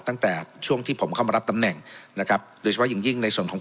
ตั้งแต่ช่วงที่ผมเข้ามารับตำแหน่งนะครับโดยเฉพาะอย่างยิ่งในส่วนของ